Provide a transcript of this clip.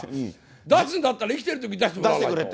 出すんだったら、生きてるときに出してくれって。